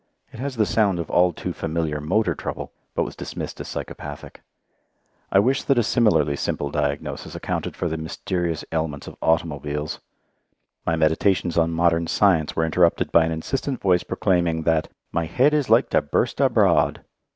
It has the sound of all too familiar motor trouble, but was dismissed as psychopathic. I wish that a similarly simple diagnosis accounted for the mysterious ailments of automobiles. My meditations on modern science were interrupted by an insistent voice proclaiming that "my head is like to burst abroad."